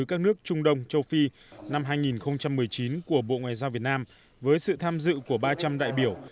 các nước trung đông châu phi năm hai nghìn một mươi chín của bộ ngoại giao việt nam với sự tham dự của ba trăm linh đại biểu